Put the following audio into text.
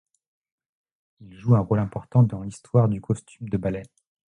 Il joue un rôle important dans l'histoire du costume de ballet.